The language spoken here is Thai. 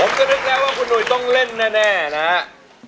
จะนึกแล้วว่าคุณหุยต้องเล่นแน่นะครับ